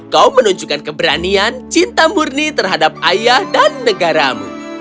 kau menunjukkan keberanian cinta murni terhadap ayah dan negaramu